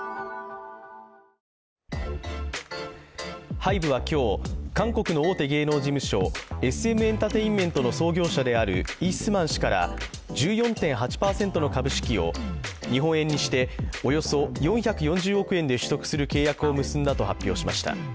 ＨＹＢＥは今日、韓国の大手芸能事務所Ｓ．Ｍ．ｅｎｔｅｒｔａｉｎｍｅｎｔの創業者であるイ・スマン氏から１４．８％の株式を日本円にしておよそ４４０億円で取得する契約を結んだと発表しました。